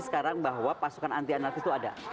sekarang bahwa pasukan anti anarkis itu ada